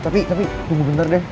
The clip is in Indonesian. tapi tunggu bentar deh